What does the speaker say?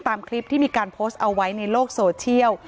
ตามคลิปที่มีการโพสต์เอาไว้ในโลกโซเชียล